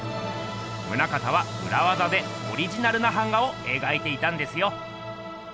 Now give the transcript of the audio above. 棟方はうらわざでオリジナルな版画をえがいていたんですよ。